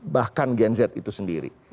bahkan gen z itu sendiri